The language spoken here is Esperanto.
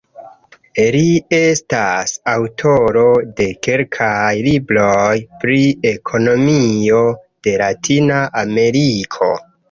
Li estas aŭtoro de kelkaj libroj pri ekonomio de Latina Ameriko.